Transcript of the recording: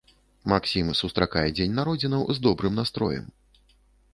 Максім сустракае дзень народзінаў з добрым настроем.